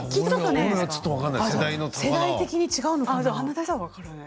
世代的に違うのかな。